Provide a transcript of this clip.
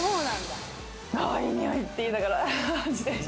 いいにおいって言いながら。